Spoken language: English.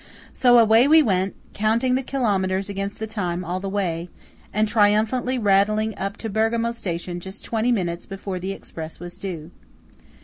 So away we went, counting the kilometers against time all the way, and triumphantly rattling up to Bergamo station just twenty minutes before the Express was due.